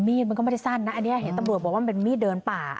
มันก็ไม่ได้สั้นนะอันนี้เห็นตำรวจบอกว่ามันเป็นมีดเดินป่า